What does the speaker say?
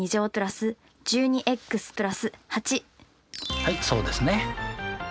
はいそうですね。